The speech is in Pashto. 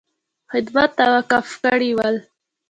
خدمت ته وقف کړي ول.